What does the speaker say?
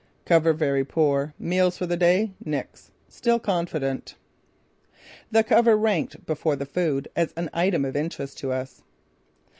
Cover very poor. Meals for the day: Nix. Still confident." The cover ranked before the food as an item of interest to us.